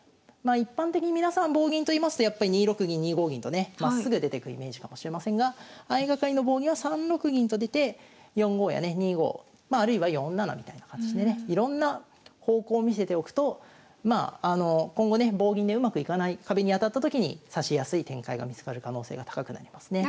一般的に皆さん棒銀といいますとやっぱり２六銀２五銀とねまっすぐ出てくイメージかもしれませんが相掛かりの棒銀は３六銀と出て４五やね２五まああるいは４七みたいな形でねいろんな方向を見せておくと今後ね棒銀でうまくいかない壁に当たった時に指しやすい展開が見つかる可能性が高くなりますね。